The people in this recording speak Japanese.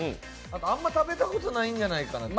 あんま食べたことがないんじゃないかな。